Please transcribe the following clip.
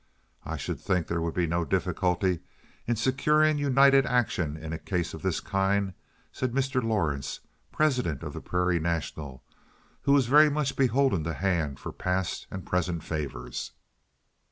"I should think there would be no difficulty in securing united action in a case of this kind," said Mr. Lawrence, president of the Prairie National, who was very much beholden to Hand for past and present favors.